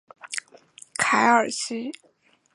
凯尔西的蒙克拉人口变化图示